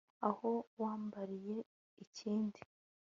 aho wambariye inkindi